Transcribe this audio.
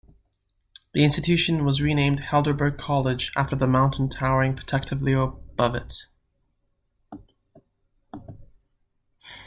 The institution was renamed Helderberg College after the mountain towering protectively above it.